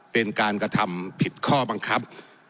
เป็นการกระทำผิดข้อบังคับ